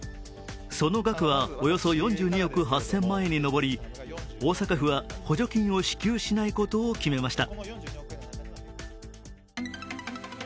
その額はおよそ４２億８０００万円に上り大阪府は補助金を支給しないことを決めました。